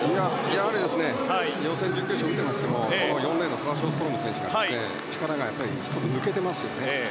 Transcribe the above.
やはり予選、準決勝を見ていましてもこの４レーンのサラ・ショーストロム選手が力が一つ抜けていますよね。